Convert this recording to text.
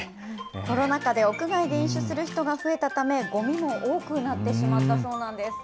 コロナ禍で屋外で飲酒する人が増えたため、ごみも多くなってしまったそうなんです。